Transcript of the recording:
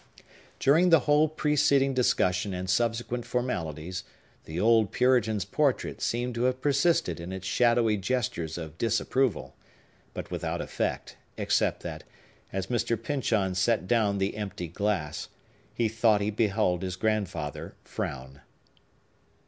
During the whole preceding discussion and subsequent formalities, the old Puritan's portrait seems to have persisted in its shadowy gestures of disapproval; but without effect, except that, as Mr. Pyncheon set down the emptied glass, he thought he beheld his grandfather frown.